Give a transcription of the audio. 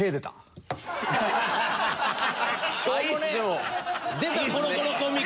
しょうもねえ！